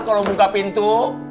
kalau buka pintu